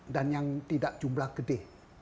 dan yang tidak jumlah gede